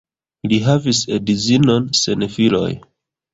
Li havis edzinon sen filoj.